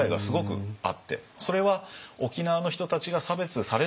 それは沖縄の人たちが差別されないように。